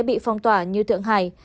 bị phong tỏa như thương hải